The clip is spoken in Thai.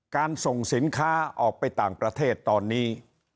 การส่งสินค้าออกไปต่างประเทศตอนนี้